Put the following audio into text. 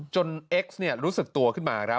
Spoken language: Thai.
เอ็กซ์รู้สึกตัวขึ้นมาครับ